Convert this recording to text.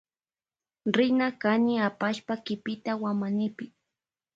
Rina kani apashpa kipita wamanipi.